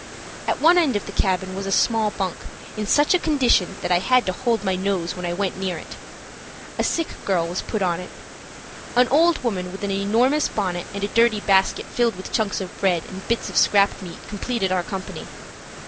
At one end of the cabin was a small bunk in such a condition that I had to hold my nose when I went near it. A sick girl was put on it. An old woman, with an enormous bonnet and a dirty basket filled with chunks of bread and bits of scrap meat, completed our company.